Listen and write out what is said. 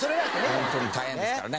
本当に大変ですからね。